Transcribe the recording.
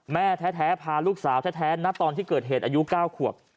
แม่แท้พาลูกสาวแท้นะตอนที่เกิดเหตุอายุ๙ขวบ